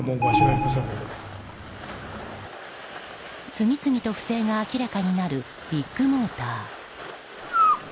次々と不正が明らかになるビッグモーター。